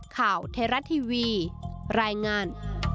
ข่าวเทราะทีวีรายงาน